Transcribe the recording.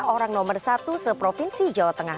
orang nomor satu seprovinsi jawa tengah